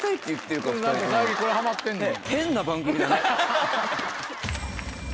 何か最近これハマってんねん。